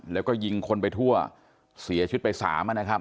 แล้วก็ยิงคนไปทั่วเสียชีวิตไปสามนะครับ